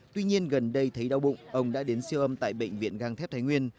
tuy nhiên gần đây thấy đau bụng ông đã đến siêu âm tại bệnh viện găng thép thái nguyên